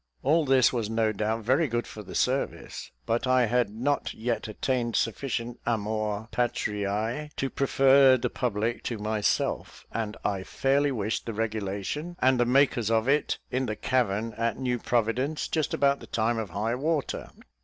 All this was no doubt very good for the service, but I had not yet attained sufficient amor patriae to prefer the public to myself; and I fairly wished the regulation, and the makers of it, in the cavern at New Providence, just about the time of high water.